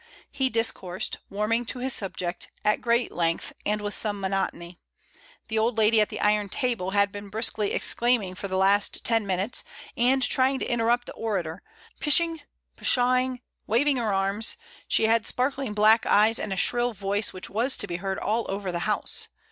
He discoursed, warming to his subject, at great length and with some monotony. The old lady, at the 48 MRS. DYMOND. iron table, had been briskly exclaiming for the last ten minutes and trying to interrupt the orator, pish ing, pshawing, waving her arms: she had sparkling black eyes and a shrill voice which was to be heard all over the house.